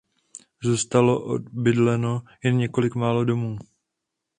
Zůstalo obydleno jen několik málo domů.